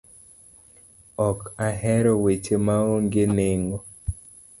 Ok a hero weche maonge nengo.